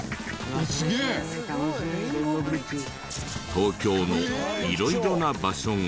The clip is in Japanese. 東京の色々な場所が。